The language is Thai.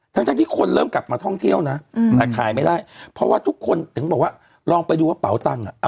ทั้งที่คนเริ่มกลับมาท่องเที่ยวนะแต่ขายไม่ได้เพราะว่าทุกคนถึงบอกว่าลองไปดูว่าเป๋าตังค์อ่ะ